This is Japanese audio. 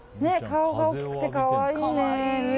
顔が大きくて可愛いね。